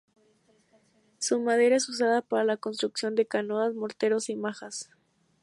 Su madera es usada para la construcción de canoas, morteros y majas.